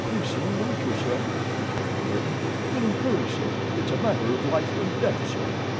"Payson wants you, sir," he cried to Burton, "in a hurry, sir, it's a matter of life and death, sir!"